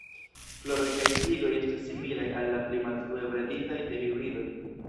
Floroj kaj tigoj estas similaj al la pli malfrue breditaj te-hibridoj.